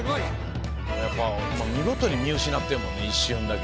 見事に見失ってるもんね一瞬だけ。